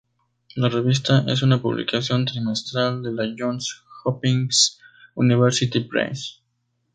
La revista es una publicación trimestral de la Johns Hopkins University Press.